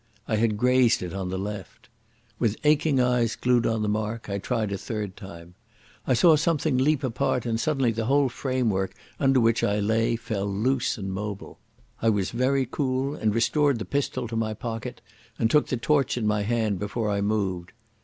I had grazed it on the left. With aching eyes glued on the mark, I tried a third time. I saw something leap apart, and suddenly the whole framework under which I lay fell loose and mobile.... I was very cool and restored the pistol to my pocket and took the torch in my hand before I moved....